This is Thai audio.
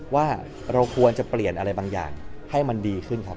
ว่าเราควรจะเปลี่ยนอะไรบางอย่างให้มันดีขึ้นครับ